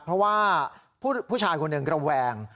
เพราะว่าผู้ชายคนหนึ่งระแวง